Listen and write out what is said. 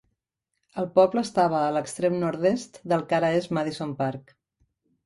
El poble estava a l'extrem nord-est del que ara és Madison Park.